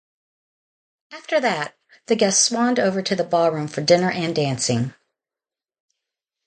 After that, the guests swanned over to the ballroom for dinner and dancing.